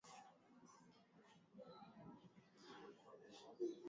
katika miji mingi ya afrika mashariki